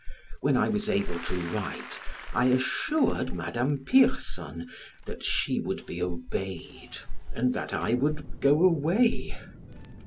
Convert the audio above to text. When I was able to write I assured Madame Pierson that she would be obeyed, and that I would go away.